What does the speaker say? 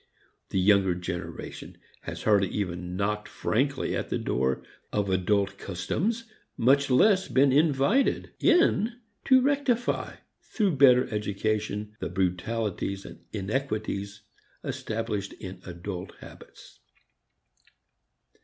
The younger generation has hardly even knocked frankly at the door of adult customs, much less been invited in to rectify through better education the brutalities and inequities established in adult habits.